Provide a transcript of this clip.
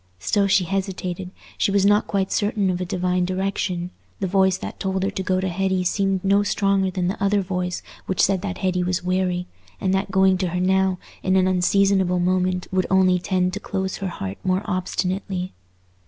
Still she hesitated; she was not quite certain of a divine direction; the voice that told her to go to Hetty seemed no stronger than the other voice which said that Hetty was weary, and that going to her now in an unseasonable moment would only tend to close her heart more obstinately.